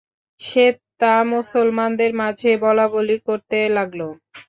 সে তা মুসলমানদের মাঝে বলাবলি করতে লাগল।